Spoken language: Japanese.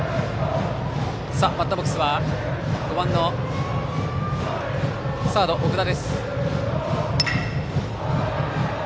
バッターボックスは５番のサード、奥田。